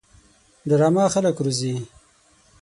ډرامه خلک روزي